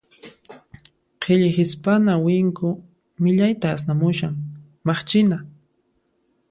Qhilli hisp'ana winku millayta asnamushan, maqchina.